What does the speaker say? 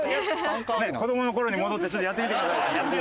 子供の頃に戻ってちょっとやってみて頂いて。